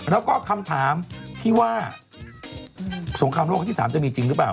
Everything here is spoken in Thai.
แล้วก็คำถามที่ว่าสงครามโลกครั้งที่๓จะมีจริงหรือเปล่า